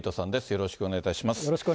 よろしくお願いします。